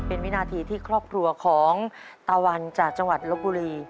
เป็นวินาทีที่ครอบครัวของตะวันจากจังหวัดลบบุรี